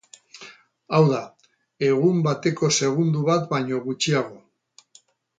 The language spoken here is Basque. Hau da, egun bateko segundo bat baino gutxiago.